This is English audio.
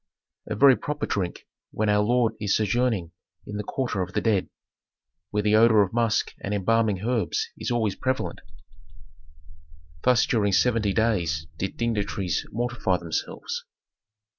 "A very proper drink when our lord is sojourning in the quarter of the dead, where the odor of musk and embalming herbs is always prevalent." Thus during seventy days did dignitaries mortify themselves.